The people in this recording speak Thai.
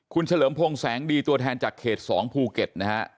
คุณเฉลิมพงศ์แสงดีตัวแทนจากเขต๒ภูเก็ตนะฮะ